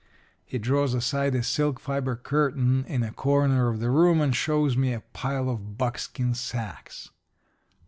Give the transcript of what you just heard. "He draws aside a silk fibre curtain in a corner of the room and shows me a pile of buckskin sacks.